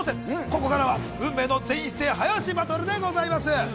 ここからは運命の「全員一斉早押しバトル」でございます。